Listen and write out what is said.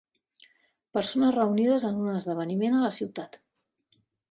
Persones reunides en un esdeveniment a la ciutat.